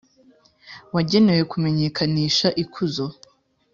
wagenewe kumenyekanyisha ikuzo ryanjye.